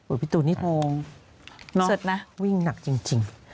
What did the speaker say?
อุปิตุนิทรงสุดนะวิ่งหนักจริง